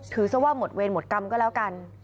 ซะว่าหมดเวรหมดกรรมก็แล้วกัน